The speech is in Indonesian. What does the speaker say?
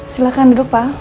silahkan duduk pak